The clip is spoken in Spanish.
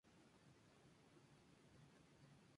Cuya capital era Ekaterinodar.